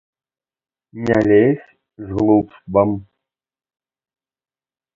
Не лезь з глупствам!